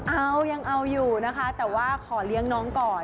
เอายังเอาอยู่นะคะแต่ว่าขอเลี้ยงน้องก่อน